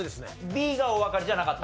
Ｂがおわかりじゃなかった？